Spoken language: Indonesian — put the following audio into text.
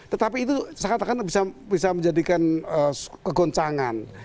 tetapi itu saya katakan bisa menjadikan kegoncangan